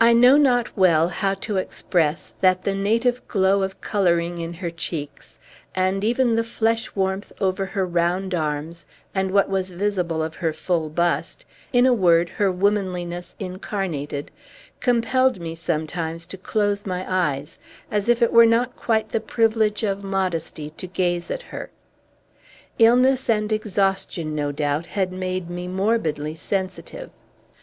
I know not well how to express that the native glow of coloring in her cheeks, and even the flesh warmth over her round arms, and what was visible of her full bust, in a word, her womanliness incarnated, compelled me sometimes to close my eyes, as if it were not quite the privilege of modesty to gaze at her. Illness and exhaustion, no doubt, had made me morbidly sensitive.